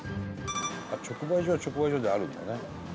「直売所は直売所であるんだね」